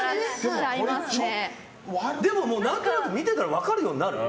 何となく見てたら分かるようになる？